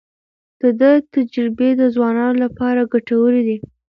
د ده تجربې د ځوانانو لپاره ګټورې دي.